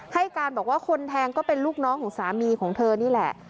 ให้การบอกว่าคนแทงก็เป็นลูกน้องของสามีของเธอนี่แหละ